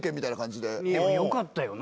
でもよかったよな。